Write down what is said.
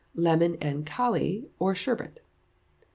Lemon and Kali, or Sherbet.